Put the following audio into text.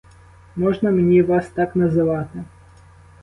Можна мені вас так називати?